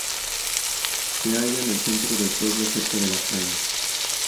Se halla en el centro del pueblo cerca de la playa.